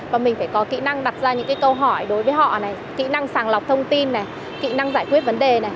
và mình phải có kỹ năng đặt ra những câu hỏi đối với họ kỹ năng sàng lọc thông tin kỹ năng giải quyết vấn đề